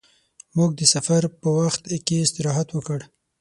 موږ د سفر په وخت کې استراحت وکړ.